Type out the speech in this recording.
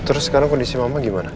terus sekarang kondisi mama gimana